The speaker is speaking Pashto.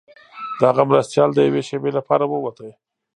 د هغه مرستیال د یوې شیبې لپاره ووت.